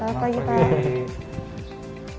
selamat pagi pak